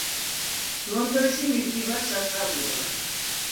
ლონდონში მივდივარ სასწავლებლად